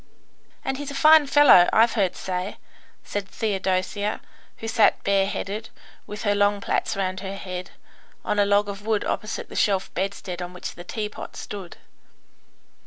"And he's a fine fellow, I've heard say," said Theodosia, who sat bareheaded, with her long plaits round her head, on a log of wood opposite the shelf bedstead on which the teapot stood.